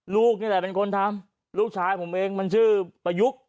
ลูกนี่แหละเป็นคนทำลูกชายผมเองมันชื่อประยุกต์